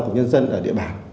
của nhân dân ở địa bàn